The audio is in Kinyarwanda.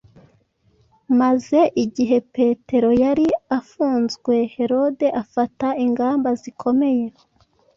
maze igihe Petero yari afunzwe Herode afata ingamba zikomeye.